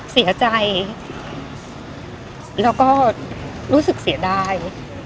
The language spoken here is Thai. เสียใจแล้วก็รู้สึกเสียดาย